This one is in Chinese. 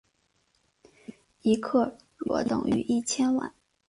一克若等于一千万。